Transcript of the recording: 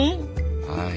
はい。